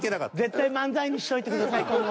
絶対漫才にしといてください今後も。